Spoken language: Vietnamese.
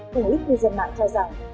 còn ít người dân mạng cho rằng